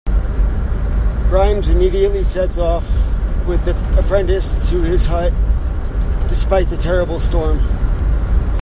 Grimes immediately sets off with the apprentice to his hut, despite the terrible storm.